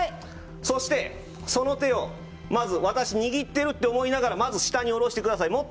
そして、その手をまず私、握ってるって思いながらまず下に下ろしてください。